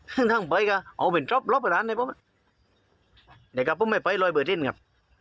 ซึ่งทางไปก็เอาเป็นรอบร้านเลยผมแต่ก็ผมไม่ไปลอยเบอร์ดินครับ